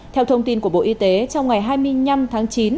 theo thông tin của bộ y tế trong ngày hai mươi năm tháng chín